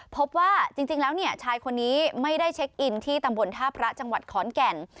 พบว่าจริงแล้วเนี่ยชายคนนี้ไม่ได้เช็คอินที่ตำบลท่าพระจังหวัดขอนแก่น